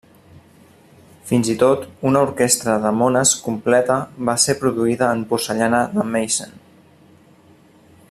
Fins i tot una orquestra de mones completa va ser produïda en Porcellana de Meissen.